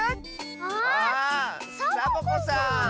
あサボ子さん。